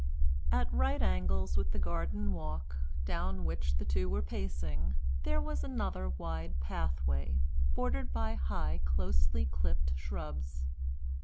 At right angles with the garden walk down which the two were pacing there was another wide pathway, bordered by high closely clipped shrubs.